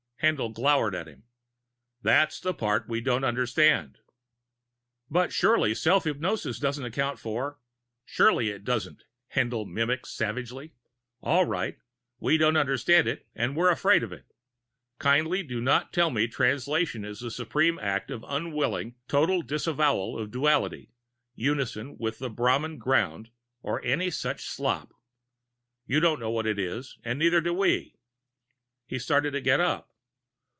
Haendl glowered at him. "That's the part we don't understand." "But surely self hypnosis doesn't account for " "Surely it doesn't!" Haendl mimicked savagely. "All right. We don't understand it and we're afraid of it. Kindly do not tell me Translation is the supreme act of Un willing, Total Disavowal of Duality, Unison with the Brahm Ground or any such slop. You don't know what it is and neither do we." He started to get up.